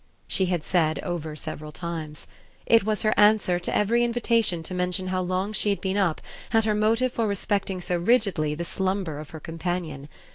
she had said over several times. It was her answer to every invitation to mention how long she had been up and her motive for respecting so rigidly the slumber of her companion.